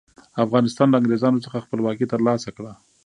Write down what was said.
افغانستان له انګریزانو څخه خپلواکي تر لاسه کړه.